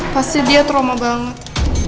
pasti dia trauma banget